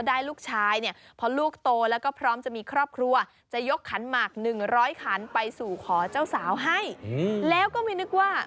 ดูกันตั้งแต่ชาติไหน